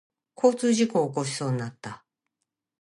交通事故を起こしそうになった。